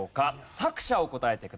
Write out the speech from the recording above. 作者を答えてください。